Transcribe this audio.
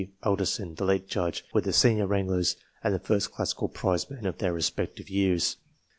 Alderson, the late j udge, were the senior wranglers and the first classical prizemen of their respective years.